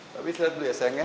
papi selesai dulu ya sayangnya